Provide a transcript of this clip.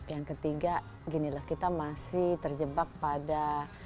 yang ketiga ginilah kita masih terjebak pada